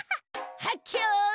はっけよい！